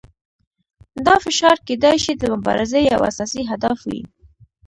دا فشار کیدای شي د مبارزې یو اساسي هدف وي.